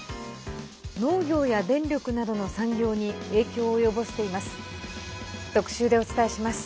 農業や電力などの産業に影響を及ぼしています。